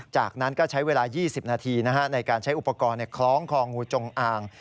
จากนั้นก็ใช้เวลา๒๐นาทีในการใช้อุปกรณ์คล้องคองูจงอาง